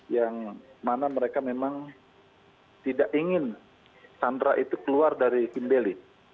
yang mana mereka memang tidak ingin sandra itu keluar dari kimbeli